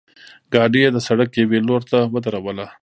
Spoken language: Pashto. ګاډۍ یې د سړک یوې لورته ودروله.